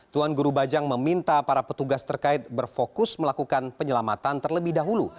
tuan guru bajang meminta para petugas terkait berfokus melakukan penyelamatan terlebih dahulu